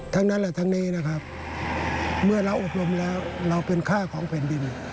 ทั้งนั้นและทั้งนี้นะครับเมื่อเราอบรมแล้วเราเป็นค่าของแผ่นดิน